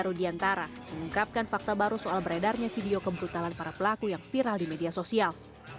rudiantara mengungkapkan fakta baru soal beredarnya video kebrutalan para pelaku yang viral di media sosial